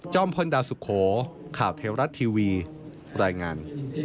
พลดาวสุโขข่าวเทวรัฐทีวีรายงาน